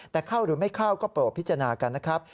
แต่เข้าหรือไม่เข้าก็โปรดพิจารณากันนะครับ